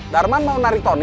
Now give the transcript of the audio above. darman mau narik tony